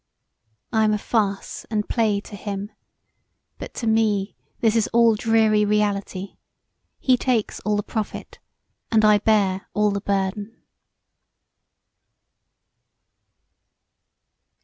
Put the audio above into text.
I am a farce and play to him, but to me this is all dreary reality: he takes all the profit and I bear all the burthen.